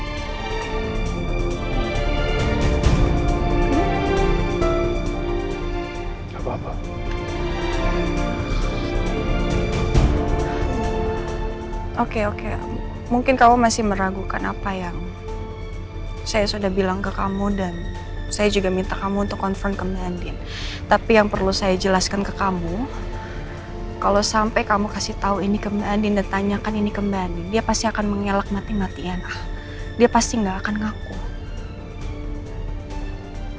hai hai oke oke mungkin kau masing meragukan apa yang saya sudah bilang ke kamu dan saya juga minta kamu untuk konfirm kemandin tapi yang perlu saya jelaskan ke kamu kalau sampai kamu kasih tahu ini kemandin tanyakan ini kemandin dia pasti akan mengelak mati matian dia pasti nggak akan ngaku karena dia paling enggak suka perbuatan tercelanya dia ini bisa ketauan